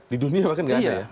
di dunia bahkan nggak ada ya